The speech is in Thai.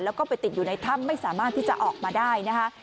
แล้วก็ไปติดอยู่ในถ้ำไม่สามารถที่จะออกมาได้นะคะ